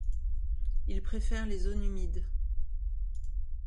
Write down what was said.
Il préfère les zones humides.